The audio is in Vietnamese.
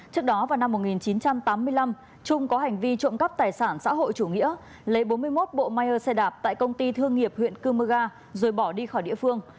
trước đó vào năm một nghìn chín trăm tám mươi năm trung có hành vi trộm cắp tài sản xã hội chủ nghĩa lấy bốn mươi một bộ mayer xe đạp tại công ty thương nghiệp huyện cư mơ ga rồi bỏ đi khỏi địa phương